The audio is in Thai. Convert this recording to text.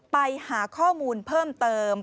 ไปหาข้อมูลเพิ่มเติม